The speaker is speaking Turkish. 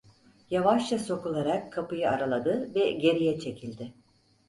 Yavaşça sokularak kapıyı araladı ve geriye çekildi.